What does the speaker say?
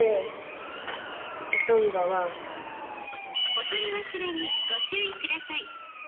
お取り忘れにご注意ください。